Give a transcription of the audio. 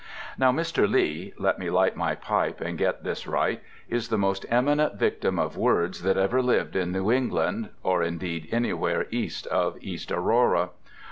Now Mr. Lee (let me light my pipe and get this right) is the most eminent victim of words that ever lived in New England (or indeed anywhere east of East Aurora).